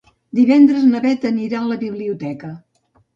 Divendres na Bet anirà a la biblioteca.